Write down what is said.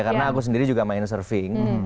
karena aku sendiri juga main surfing